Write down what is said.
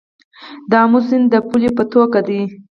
د امو سیند د پولې په توګه دی